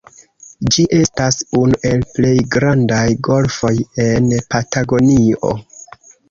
Ĝi estas "unu el plej grandaj golfoj en Patagonio".